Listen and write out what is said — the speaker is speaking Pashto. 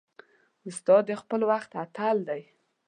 استاد د خپل وخت اتل دی.